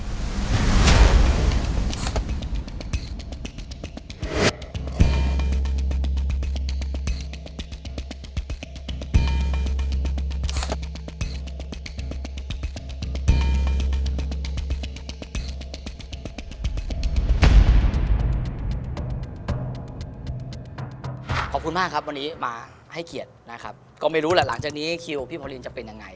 ขอบคุณมากครับวันนี้มาให้เกียรตินะครับก็ไม่รู้แหละหลังจากนี้คิวพี่พอลินจะเป็นยังไง